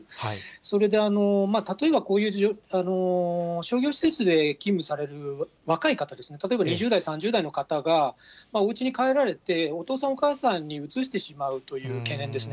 それで例えば、こういう商業施設で勤務される若い方ですね、例えば２０代、３０代の方が、おうちに帰られて、お父さん、お母さんにうつしてしまうという懸念ですね。